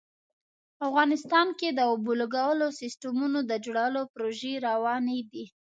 افغانستان کې د اوبو لګولو سیسټمونو د جوړولو پروژې روانې دي